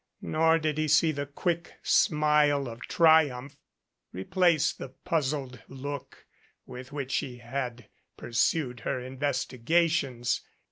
Nor did he see the quick smile of triumph replace the puzzled look with which she had pursued her investigations.